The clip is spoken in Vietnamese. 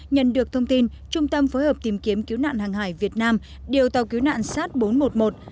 nhận được thông tin trung tâm phối hợp tìm kiếm cứu nạn hàng hải việt nam điều tàu cứu nạn sát bốn trăm một mươi một